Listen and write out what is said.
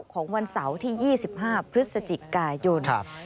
ของวันเสาร์ที่๒๕พฤศจิกายน